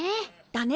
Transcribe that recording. だね！